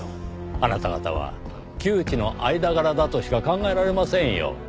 あなた方は旧知の間柄だとしか考えられませんよ。